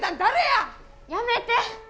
やめて！